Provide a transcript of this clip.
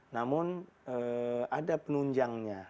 namun ada penunjangnya